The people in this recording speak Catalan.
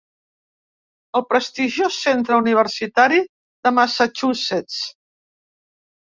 El prestigiós centre universitari de Massachussetts.